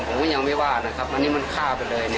ผมก็ยังไม่ว่านะครับอันนี้มันฆ่าไปเลย